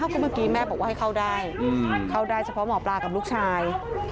ก็เมื่อกี้แม่บอกว่าให้เข้าได้เข้าได้เฉพาะหมอปลากับลูกชาย